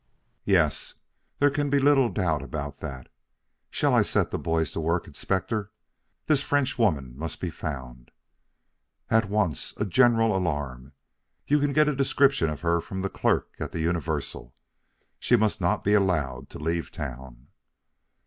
"Yes; there can be little doubt about that. Shall I set the boys to work, Inspector? This Frenchwoman must be found." "At once a general alarm. You can get a description of her from the clerk at the Universal. She must not be allowed to leave town."